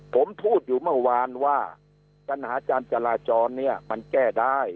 ผมพูดอยู่เมื่อวานว่าปัญหาการจราจรเนี่ยมันแก้ได้